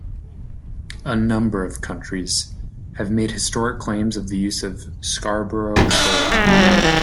A number of countries have made historic claims of the use of Scarborough shoal.